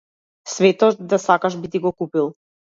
Светот да сакаш би ти го купил.